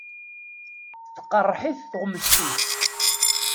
Tqeṛṛeḥ-it tuɣmest-is.